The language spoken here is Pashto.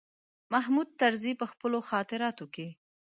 محمود طرزي په خپلو خاطراتو کې.